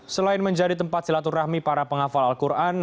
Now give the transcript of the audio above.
selain menjadi tempat silaturahmi para penghafal al quran